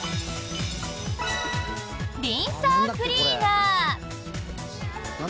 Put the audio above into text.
リンサークリーナー。